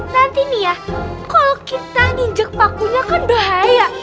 nanti nih ya kalau kita nginjek pakunya kan bahaya